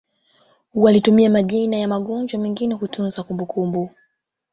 walitumia majina ya magonjwa mengine kutunza kumbukumbu